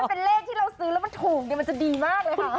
แล้วถ้ามันเป็นเลขที่เราซื้อแล้วมันถูกเนี่ยมันจะดีมากเลยค่ะ